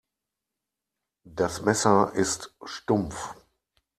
Das Messer ist stumpf.